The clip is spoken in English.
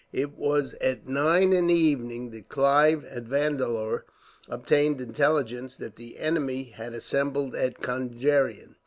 It was at nine in the evening that Clive, at Vendalur, obtained intelligence that the enemy had assembled at Conjeveram.